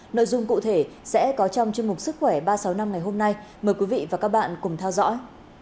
nội dung cụ thể sẽ có trong chương mục sức khỏe ba trăm sáu mươi năm ngày hôm nay mời quý vị và các bạn cùng theo dõi